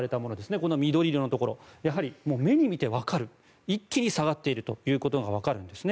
この緑色のところ目に見えてわかる一気に下がっていることがわかるんですね。